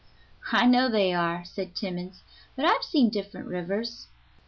"I know they are," said Timmans, "but I've seen different rivers.